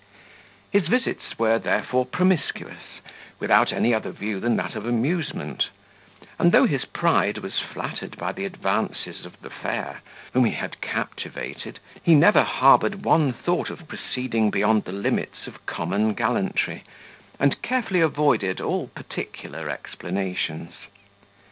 His visits were, therefore, promiscuous, without any other view than that of amusement; and though his pride was flattered by the advances of the fair, whom he had captivated, he never harboured one thought of proceeding beyond the limits of common gallantry, and carefully avoided all particular explanations.